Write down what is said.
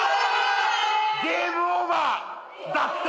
ゲームオーバーだって！